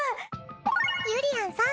ゆりやんさん